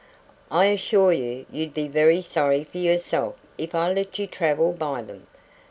I assure you you'd be very sorry for yourself if I let you travel by them.